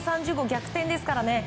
逆転ですからね。